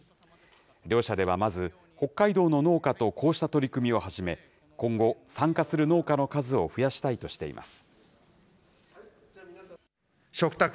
両社ではまず、北海道の農家とこうした取り組みを始め、今後、参加する農家の数を増やしたいとしています。